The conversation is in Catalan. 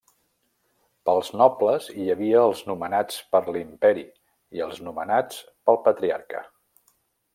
Pels nobles hi havia els nomenats per l'Imperi i els nomenats pel patriarca.